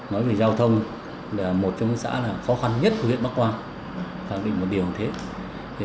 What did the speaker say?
nói về giao thông là một trong những xã khó khăn nhất của huyện bắc quang